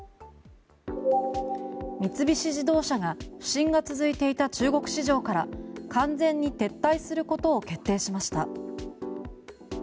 三菱自動車が不振が続いていた中国市場から完全に撤退することを決定しました。